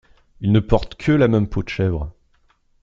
Il ne porte que la même peau de chèvre.